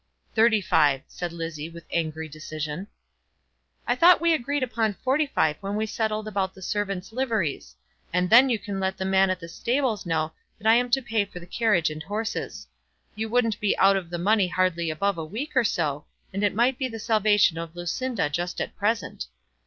"Thirty five," said Lizzie with angry decision. "I thought we agreed upon forty five when we settled about the servants' liveries; and then you can let the man at the stables know that I am to pay for the carriage and horses. You wouldn't be out of the money hardly above a week or so, and it might be the salvation of Lucinda just at present."